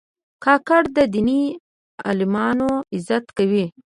کاکړ د دیني عالمانو عزت کوي.